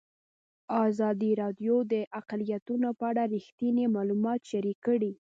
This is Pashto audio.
ازادي راډیو د اقلیتونه په اړه رښتیني معلومات شریک کړي.